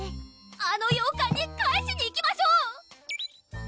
あの洋館に返しに行きましょう！